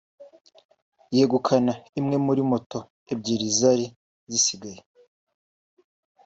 yegukana imwe muri moto ebyiri zari zisigaye